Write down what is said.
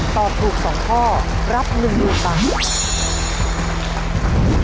ตอบถูก๒ข้อรับ๑๐๐๐บาท